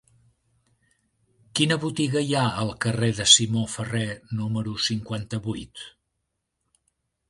Quina botiga hi ha al carrer de Simó Ferrer número cinquanta-vuit?